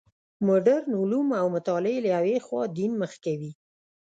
مډرن علوم او مطالعې له یوې خوا دین مخ کوي.